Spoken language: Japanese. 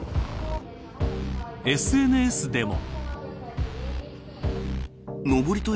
ＳＮＳでも。